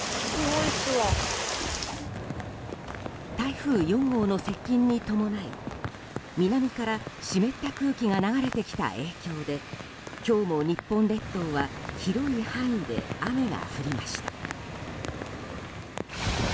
台風４号の接近に伴い南から湿った空気が流れてきた影響で今日も日本列島は広い範囲で雨が降りました。